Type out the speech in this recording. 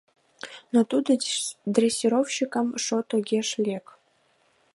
Но тудо дрессировщикын шот огеш лек.